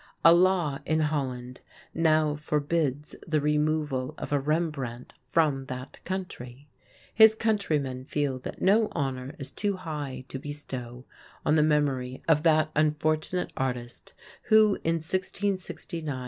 A law in Holland now forbids the removal of a "Rembrandt" from that country. His countrymen feel that no honor is too high to bestow on the memory of that unfortunate artist who in 1669 died unrecognized and was buried by charity.